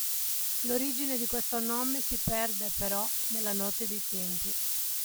L'origine di questo nome si perde, però, nella notte dei tempi.